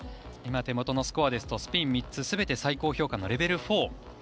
手元のスコアですとスピン３つすべて最高評価のレベル４。